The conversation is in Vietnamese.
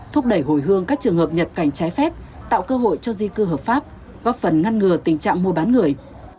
thúc đẩy hồi hương các trường hợp nhập cảnh trái phép tạo cơ hội cho di cư hợp pháp góp phần ngăn ngừa tình trạng mua bán người